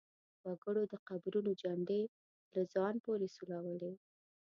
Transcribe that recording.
وګړو د قبرونو چنډې له ځان پورې سولولې.